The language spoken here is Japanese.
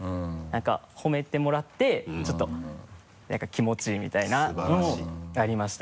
なんか褒めてもらってちょっと気持ちいいみたいなのもすばらしい。